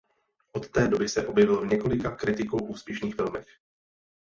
Od té doby se objevil v několika kritikou úspěšných filmech.